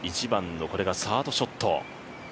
１番のサードショット。